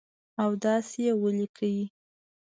او داسي یې ولیکئ